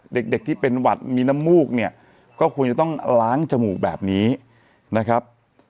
เด็กที่เป็นหวัดมีน้ำมูกเนี่ยก็ควรจะต้องล้างจมูกแบบนี้นะครับ